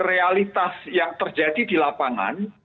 realitas yang terjadi di lapangan